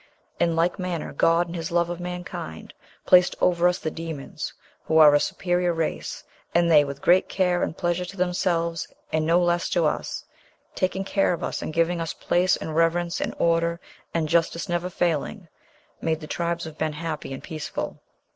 In like manner God in his love of mankind placed over us the demons, who are a superior race, and they, with great care and pleasure to themselves and no less to us, taking care of us and giving us place and reverence and order and justice never failing, made the tribes of men happy and peaceful